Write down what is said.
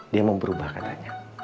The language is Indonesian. dia mau berubah katanya